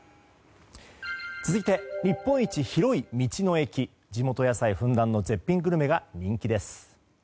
続いて、日本一広い道の駅地元野菜ふんだんの絶品グルメが人気です。